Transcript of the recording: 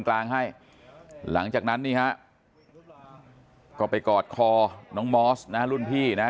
กลางให้หลังจากนั้นนี่ฮะก็ไปกอดคอน้องมอสนะรุ่นพี่นะ